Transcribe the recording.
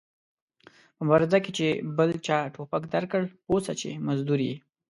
په مبارزه کې چې بل چا ټوپک درکړ پوه سه چې مزدور ېې